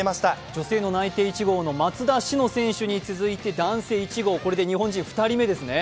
女性の内定１号の松田詩野選手に続いて男性１号、これで日本人２人目ですよね。